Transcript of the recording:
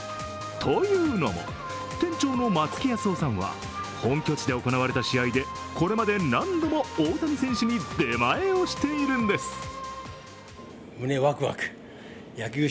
というのも、店長の松木保雄さんは本拠地で行われた試合で、これまで何度も大谷選手に出前をしているんです。